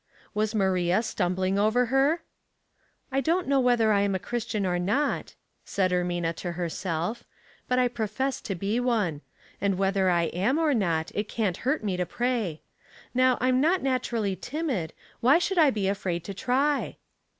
Was Maria stumbling over her? "I don't know whether I am a Christian or not," said Ermina to her self; "but I profess to be one; and whether I am or not, it can't hurt me to pray. Now I'm not naturally timid, why should I be afraid to try